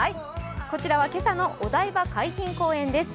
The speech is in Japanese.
こちらは今朝のお台場海浜公園です。